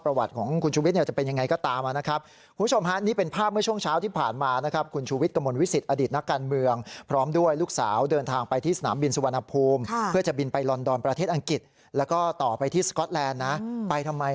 ประวัติของคุณชูวิทย์เนี่ยจะเป็นยังไงก็ตามนะครับ